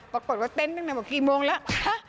ปรากฏว่าเต้นจากนั้นก็บอกกี่โมงแล้ว